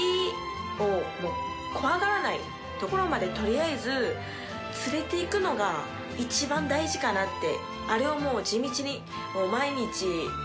取りあえず連れていくのが一番大事かなって。